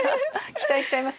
期待しちゃいますよ。